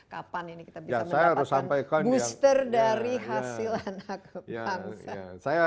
kapan ini kita bisa mendapatkan booster dari hasil anak bangsa